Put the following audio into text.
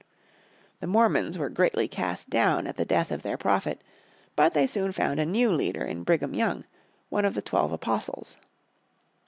The Mormons were greatly cast down at the death of their Prophet, but they soon found a new leader in Brigham Young, one of the twelve apostles.